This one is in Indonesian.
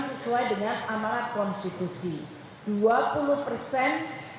sesuai dengan amalan konstitusi